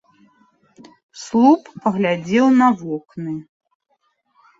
Слуп паглядзеў на вокны.